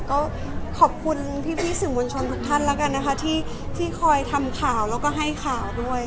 ก็ขอบคุณพี่สื่อมวลชนทุกท่านแล้วกันนะคะที่คอยทำข่าวแล้วก็ให้ข่าวด้วย